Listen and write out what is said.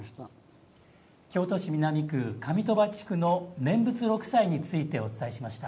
京都市南区、上鳥羽地区の念仏六斎についてお伝えしました。